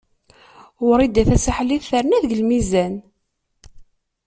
Wrida Tasaḥlit terna deg lmizan.